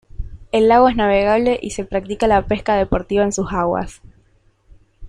El lago es navegable y se practica la pesca deportiva en sus aguas.